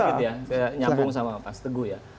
saya nyambung sama pak stegu ya